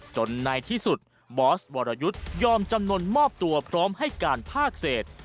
ในที่สุดบอสวรยุทธ์ยอมจำนวนมอบตัวพร้อมให้การภาคเศษ